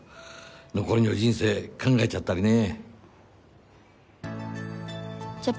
残りの人生考えちゃったりね。